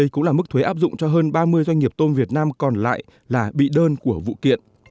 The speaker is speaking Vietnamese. đây cũng là mức thuế áp dụng cho hơn ba mươi doanh nghiệp tôm việt nam còn lại là bị đơn của vụ kiện